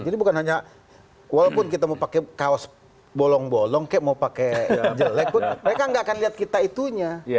jadi bukan hanya walaupun kita mau pakai kaos bolong bolong kayak mau pakai jelek pun mereka nggak akan lihat kita itunya